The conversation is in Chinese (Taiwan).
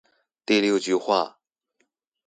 第六句話